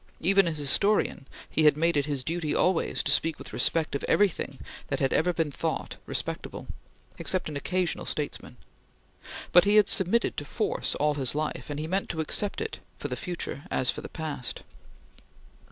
Even as historian he had made it his duty always to speak with respect of everything that had ever been thought respectable except an occasional statesman; but he had submitted to force all his life, and he meant to accept it for the future as for the past.